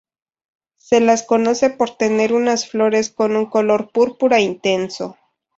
Se las conoce por tener unas flores con un color púrpura intenso.